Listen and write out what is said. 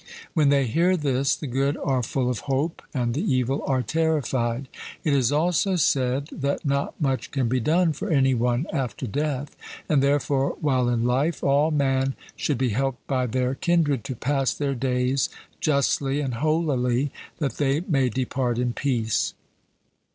When they hear this, the good are full of hope, and the evil are terrified. It is also said that not much can be done for any one after death. And therefore while in life all man should be helped by their kindred to pass their days justly and holily, that they may depart in peace.